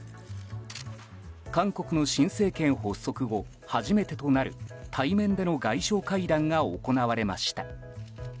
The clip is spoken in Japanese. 韓国の新政権発足後初めてとなる対面での外相会談が行われました。